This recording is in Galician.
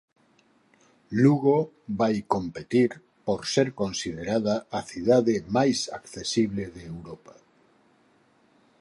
Lugo vai competir por ser considerada a cidade máis accesible de Europa.